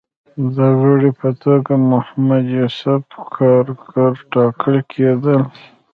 د غړي په توګه د محمد یوسف کارګر ټاکل کېدل